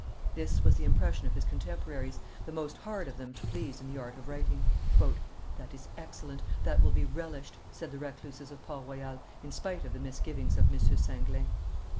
This was the impression of his contemporaries, the most hard of them to please in the art of writing. "That is excellent; that will be relished," said the recluses of Port Royal, in spite of the misgivings of M. Singlin.